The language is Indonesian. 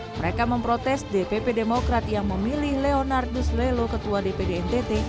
mereka memprotes dpp demokrat yang memilih leonardus lelo ketua dpd ntt